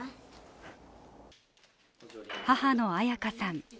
母の彩佳さん。